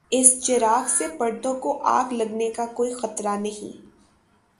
اس چراغ سے پردوں کو آگ لگنے کا کوئی خطرہ نہیں۔